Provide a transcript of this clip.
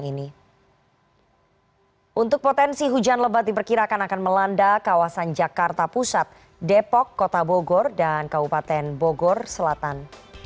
untuk potensi hujan lebat diperkirakan akan melanda kawasan jakarta pusat depok kota bogor dan kabupaten bogor selatan